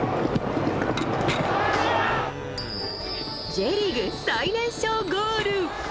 Ｊリーグ最年少ゴール！